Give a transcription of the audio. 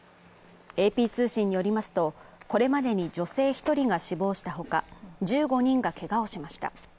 ＡＰ通信によりますと、これまでに女性１人が死亡したほか、１５人がけがをしました。